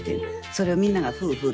それをみんなが「ふう」